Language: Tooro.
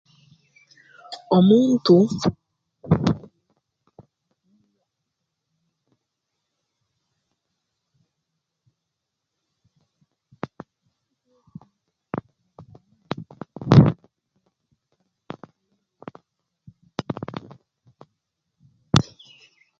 Omuntu